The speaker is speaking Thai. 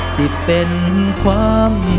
สิบเป็นความ